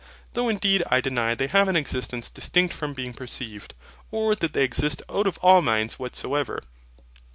Though indeed I deny they have an existence distinct from being perceived; or that they exist out of all minds whatsoever.